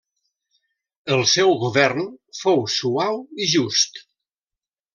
El seu govern fou suau i just.